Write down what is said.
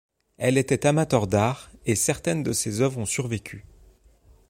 Elle était amateur d'art, et certaines de ses œuvres ont survécu.